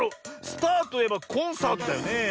スターといえばコンサートだよねえ。